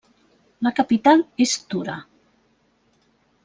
La capital és Tura.